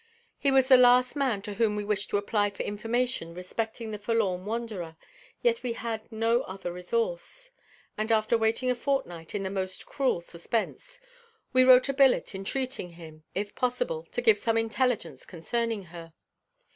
He was the last man to whom we wished to apply for information respecting the forlorn wanderer; yet we had no other resource. And after waiting a fortnight in the most cruel suspense, we wrote a billet, entreating him, if possible, to give some intelligence concerning her.